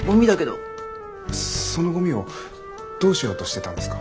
そのゴミをどうしようとしてたんですか？